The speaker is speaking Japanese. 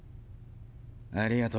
ありがと。